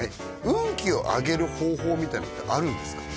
運気を上げる方法みたいなのってあるんですか？